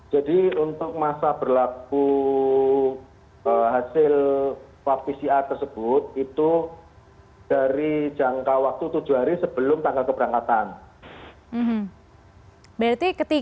jadi untuk masa berlaku hasil swab pcr tersebut itu dari jangka waktu tujuh hari sebelum tanggal keberangkatan